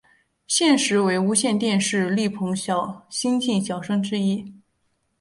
现时为无线电视力捧新晋小生之一。